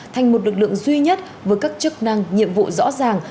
thành một lực lượng duy nhất với các chức năng nhiệm vụ rõ ràng